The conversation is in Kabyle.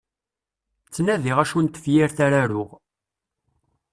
Ttnadiɣ acu n tefyirt ara aruɣ.